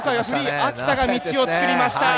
秋田が道をつくりました。